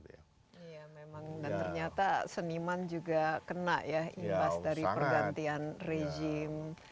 dan ternyata seniman juga kena ya impas dari pergantian rezim